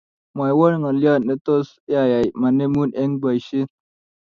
Mwaiwo ngalio netos yaiya manemun eng boishet